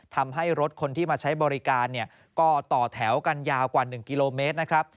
ทำให้รถคนที่มาใช้บริการเนี่ยก็ต่อแถวกันยาวกว่า๑กิโลเมตรนะครับ